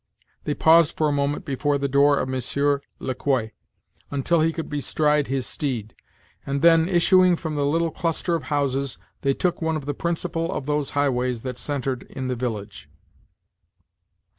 They paused for a moment before the door of Monsieur Le Quoi, until he could bestride his steed, and then, issuing from the little cluster of houses, they took one of the principal of those highways that centred in the village.